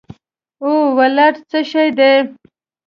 او ولټ څه شي دي